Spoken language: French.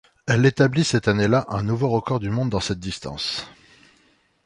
Elle établit cette année-là un nouveau record du monde dans cette distance.